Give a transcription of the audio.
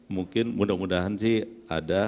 mungkin mudah mudahan sih ada